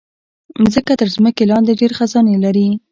مځکه تر ځمکې لاندې ډېر خزانے لري.